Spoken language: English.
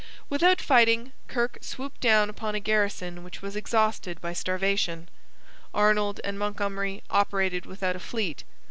Without fighting, Kirke swooped down upon a garrison which was exhausted by starvation. Arnold and Montgomery operated without a fleet.